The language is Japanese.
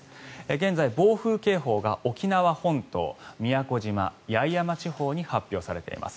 現在、暴風警報が沖縄本島宮古島、八重山地方に発表されています。